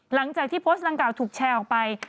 หลังจากที่โพสต์ดังกล่าถูกแชร์ออกไป